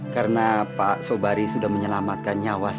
karena pak sobari sudah menyelamatkan nyawa saya